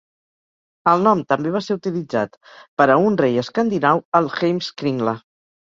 El nom també va ser utilitzat per a un rei escandinau a l'"Heimskringla".